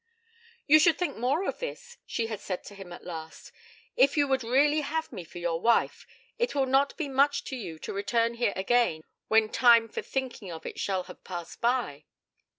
'You should think more of this,' she had said to him at last. 'If you would really have me for your wife, it will not be much to you to return here again when time for thinking of it shall have passed by.'